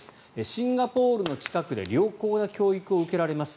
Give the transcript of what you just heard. シンガポールの近くで良好な教育を受けられます